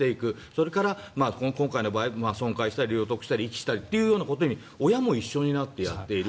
それから、今回の場合は損壊したり領得したり遺棄したりということに親も一緒になってやっている。